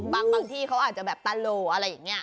บางที่เขาอาจจะแบบตะโหลอะไรอย่างนี้